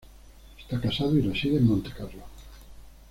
Está casado y reside en Montecarlo.